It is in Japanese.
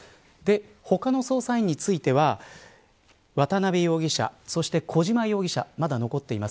他の捜査員については渡辺容疑者、そして小島容疑者まだ残っています。